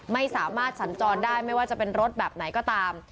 ไม่สามารถสัญจรได้ไม่ว่าจะเป็นรถแบบไหนก็ตาม